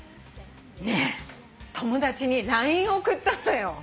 「ねえ友達にＬＩＮＥ送ったのよ。